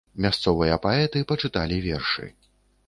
Мясцовыя паэты пачыталі вершы.